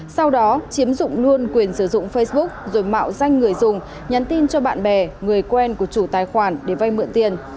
sau đó chiếm dụng luôn quyền sử dụng facebook rồi mạo danh người dùng nhắn tin cho bạn bè người quen của chủ tài khoản để vay mượn tiền